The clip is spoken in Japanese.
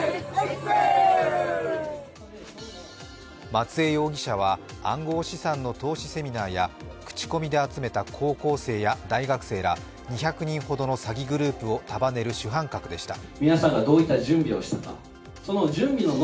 松江容疑者は暗号資産の投資セミナーや口コミで集めた高校生や大学生ら２００人ほどの詐欺グループを束ねる主犯格でした。